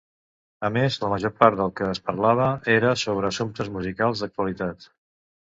A més, la major part del que es parlava era sobre assumptes musicals d'actualitat!